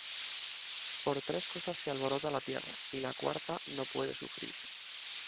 Por tres cosas se alborota la tierra, Y la cuarta no puede sufrir: